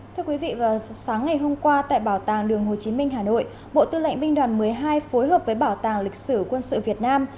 thưa quý vị vào sáng ngày hôm qua tại bảo tàng đường hồ chí minh hà nội bộ tư lệnh binh đoàn một mươi hai phối hợp với bảo tàng lịch sử quân sự việt nam